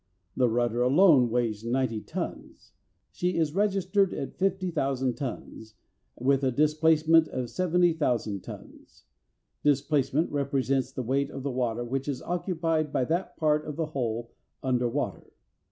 The rudder alone weighs 90 tons. She is registered at 50,000 tons, with a displacement of 70,000 tons. Displacement represents the weight of the water which is occupied by that part of the hull under water.